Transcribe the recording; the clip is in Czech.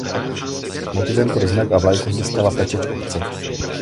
Motivem pro znak a vlajku se stala pečeť obce.